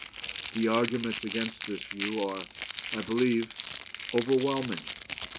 The arguments against this view are, I believe, overwhelming.